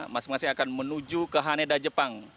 masing masing akan menuju ke haneda jepang